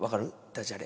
ダジャレ。